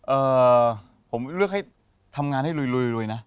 เอ่อผมเลือกให้ทำงานให้รวยลุยนะ